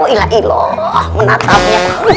oh ilah ilah menatapnya